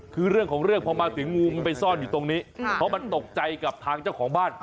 คือเรื่องของเรื่องพอมาถึงงูมันไปซ่อนอยู่ตรงนี้เพราะมันตกใจกับทางเจ้าของบ้าน